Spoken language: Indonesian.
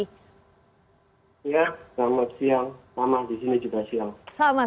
ya selamat siang mama di sini juga siang